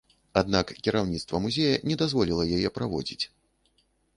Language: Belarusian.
Аднак кіраўніцтва музея не дазволіла яе праводзіць.